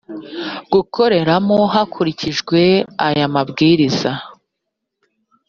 gukoreramo hakurikijwe aya mabwiriza